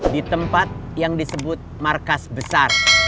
di tempat yang disebut markas besar